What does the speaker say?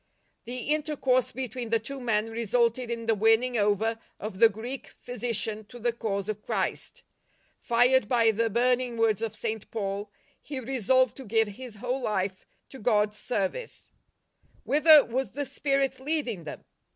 The intercourse between the two men resulted in the winning over of the Greek physician to the cause of Christ. Fired by the burning words of St. Paul, he resolved to give his whole life to God's service. ■Whither was the spirit leading them